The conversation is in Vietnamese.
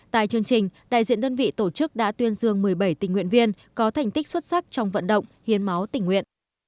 tại chương trình đại diện đơn vị tổ chức đã tuyên dương một mươi bảy tình nguyện viên có thành tích xuất sắc trong vận động hiến máu tình nguyện